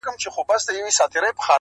راته رایاد شو